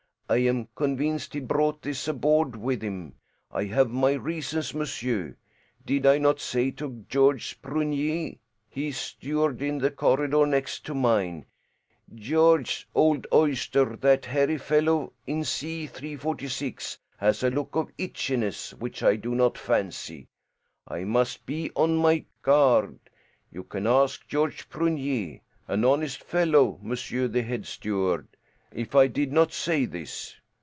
I am convinced he brought this aboard with him. I have my reasons, monsieur. Did I not say to Georges Prunier he is steward in the corridor next to mine 'Georges, old oyster, that hairy fellow in C 346 has a look of itchiness which I do not fancy. I must be on my guard.' You can ask Georges Prunier an honest fellow, monsieur the head steward if I did not say this.